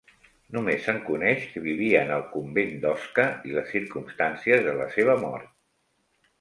Només se'n coneix que vivien al convent d'Osca i les circumstàncies de la seva mort.